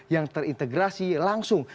yang terintegrasi langsung